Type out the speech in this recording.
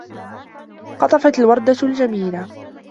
قَطَفْتُ الْوردةَ الْجَمِيلَةَ.